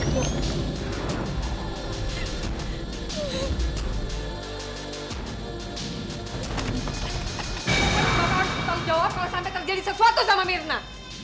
bapak harus bertanggung jawab kalau sampai terjadi sesuatu sama mirna